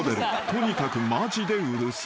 ［とにかくマジでうるさい］